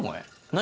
何？